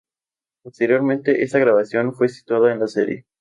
Posteriormente esta grabación fue sustituida en la serie.